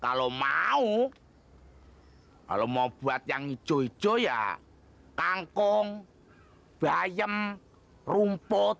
kalau mau hai kalo mau buat yang jujur ya kangkung bayam rumput